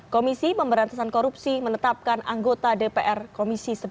komisi pemberantasan korupsi menetapkan anggota dpr komisi sepuluh